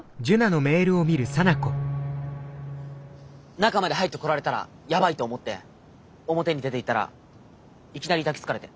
中まで入ってこられたらやばいと思って表に出ていったらいきなり抱きつかれて。